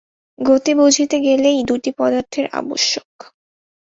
গতি বুঝিতে গেলেই দুইটি পদার্থের আবশ্যক।